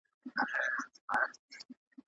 هغه کسان چې سفر کوي ډېر څه زده کوي.